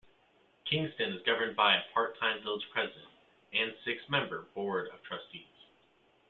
Kingston is governed by a part-time Village President and six-member Board of Trustees.